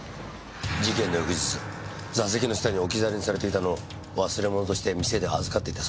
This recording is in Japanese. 事件の翌日座席の下に置き去りにされていたのを忘れ物として店で預かっていたそうだ。